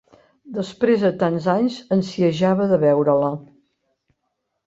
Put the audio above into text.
Després de tants anys, ansiejava de veure-la.